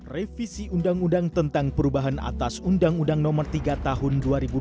revisi undang undang tentang perubahan atas undang undang nomor tiga tahun dua ribu dua